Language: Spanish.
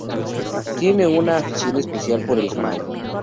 Tienen una afición especial por el jamón.